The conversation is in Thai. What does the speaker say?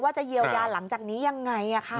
จะเยียวยาหลังจากนี้ยังไง